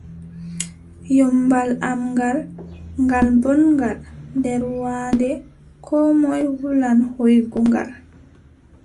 Ƴommbal am ngal, ngal booɗngal nder waande, koo moy hulan hooygo ngal.